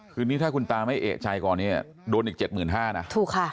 คือนี้ถ้าคุณตาไม่เอกชัยก่อนนี้โดนอีก๗๕๐๐๐บาทนะถูกค่ะ